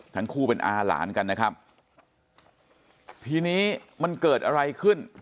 ทั้งคู่เป็นอาหลานกันนะครับทีนี้มันเกิดอะไรขึ้น